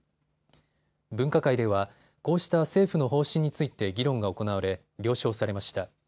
分科会ではこうした政府の方針について議論が行われ、了承されました。